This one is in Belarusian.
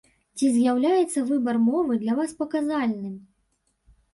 Ці з'яўляецца выбар мовы для вас паказальным?